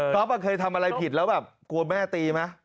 เคยทำอะไรผิดแล้วแบบกลัวแม่ตีไหม